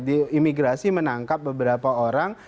di imigrasi menangkap beberapa orang